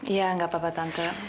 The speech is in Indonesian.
iya nggak apa apa tante